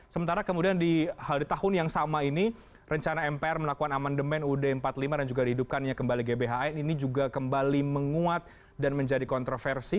sementara kemudian di tahun yang sama ini rencana mpr melakukan amandemen ud empat puluh lima dan juga dihidupkannya kembali gbhn ini juga kembali menguat dan menjadi kontroversi